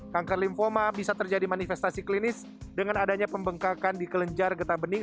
kanker lymphoma bisa terjadi manifestasi klinis dengan adanya pembengkakan di kelenjar getah bening